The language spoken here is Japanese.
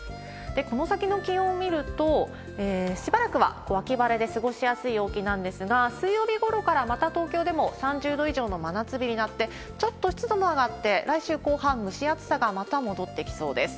この先の気温を見ると、しばらくは秋晴れで過ごしやすい陽気なんですが、水曜日ごろからまた東京でも３０度以上の真夏日になって、ちょっと湿度も上がって、来週後半、蒸し暑さがまた戻ってきそうです。